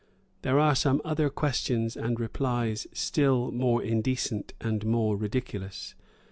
[*] There are some other questions and replies still more indecent and more ridiculous.